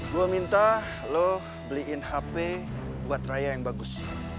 gue minta lo beliin hp buat raya yang bagus